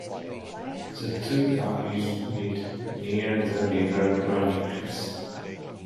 The two armies met near the river Granicus.